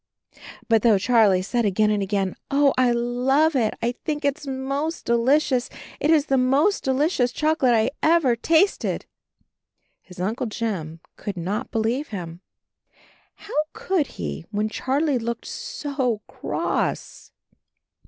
But though Charlie said again and again, "Oh, I love it; I think it's most delicious. It is the most delicious chocolate I ever tasted," his Uncle Jim could not believe him — how could he when Charlie looked so cross?